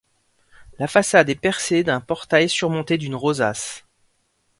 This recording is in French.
La façade est percée d'un portail surmonté d'une rosace.